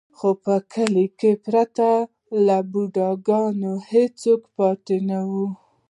خو په کلي کې پرته له بوډا ګانو هېڅوک پاتې نه و.